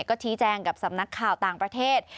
ก็ชี้แจงกับสำนักข่าวต่างประเทศ